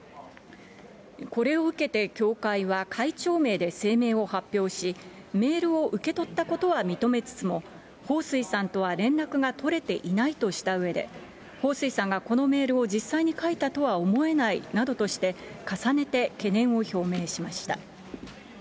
これを受けて協会は、会長名で声明を発表し、メールを受け取ったことは認めつつも、ほうすいさんとは連絡が取れていないとしたうえで、ほうすいさんがこのメールを実際に書いたとは思えないなどとして、重ねて懸念を表明しました。